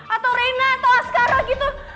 atau reina atau sekarang gitu